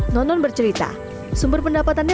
nonon bercerita sumber pendapatannya